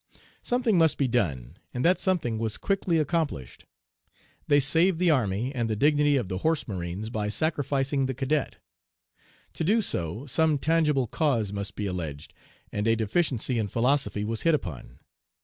"Something must be done, and that something was quickly accomplished. They saved the army and the dignity of the horse marines by sacrificing the cadet. To do so, some tangible cause must be alleged, and a deficiency in 'philosophy' was hit upon.